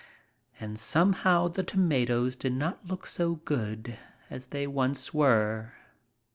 And somehow the tomatoes did not look so good as they once were.